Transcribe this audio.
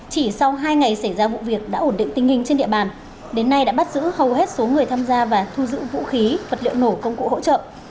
chỉ sau hai ngày xảy ra vụ việc đã ổn định tình hình trên địa bàn đến nay đã bắt giữ hầu hết số người tham gia và thu giữ vũ khí vật liệu nổ công cụ hỗ trợ